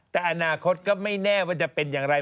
แต่อนาคตก็ไม่แน่ว่าจะเป็นอย่างไร